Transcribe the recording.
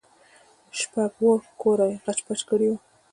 شپږ اوه كوره يې خچ پچ كړي وو.